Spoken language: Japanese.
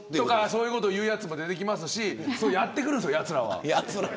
そういうやつも出てきますしやってくるんですよ、やつらは。